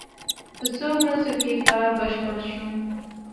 په څو ورځو کې کار بشپړ شو.